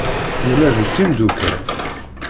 Nella d timdukal.